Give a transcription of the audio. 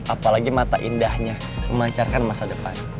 apalagi mata indahnya memancarkan masa depan